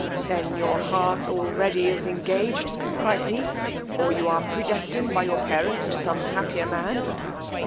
Then your heart already is engaged, cried he, or you are predestined by your parents to some happier man?